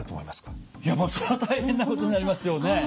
いやそりゃ大変なことになりますよね。